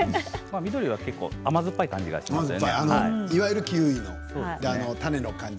緑のは甘酸っぱい感じがしますよね。